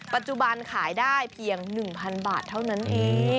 ปัจจุบันขายได้เพียง๑๐๐๐บาทเท่านั้นเอง